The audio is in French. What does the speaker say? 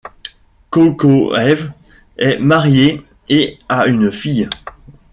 Kokoïev est marié et a une fille.